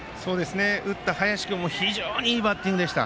打った林君も非常にいいバッティングでした。